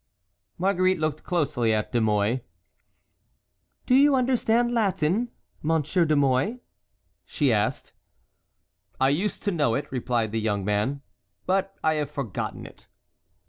Marguerite looked closely at De Mouy. "Do you understand Latin, Monsieur de Mouy?" she asked. "I used to know it," replied the young man, "but I have forgotten it."